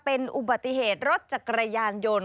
เป็นอุบัติเหตุรถจักรยานยนต์